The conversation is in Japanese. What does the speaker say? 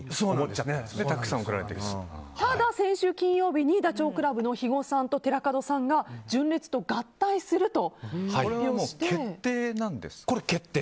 ただ、先週金曜日にダチョウ倶楽部の肥後さんと寺門さんが純烈と合体すると発表して。